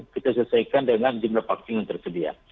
kita selesaikan dengan jumlah vaksin yang tersedia